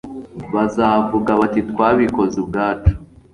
bazavuga bati twabikoze ubwacu